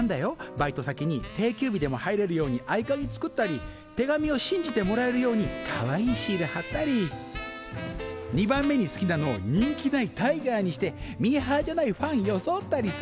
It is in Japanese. バイト先に定休日でも入れるように合鍵作ったり手紙を信じてもらえるようにかわいいシール貼ったり２番目に好きなのを人気ないタイガーにしてミーハーじゃないファン装ったりさ。